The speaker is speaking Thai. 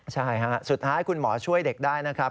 ใช่ฮะสุดท้ายคุณหมอช่วยเด็กได้นะครับ